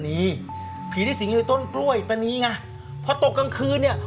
มันคือผีตันนี